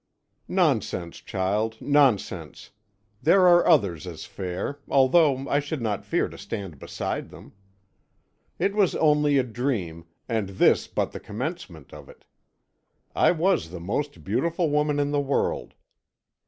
"Nonsense, child, nonsense there are others as fair, although I should not fear to stand beside them. It was only a dream, and this but the commencement of it. I was the most beautiful woman in the world.